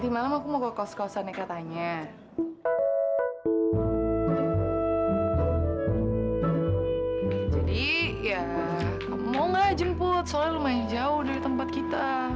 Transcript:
mau gak jemput soalnya lumayan jauh dari tempat kita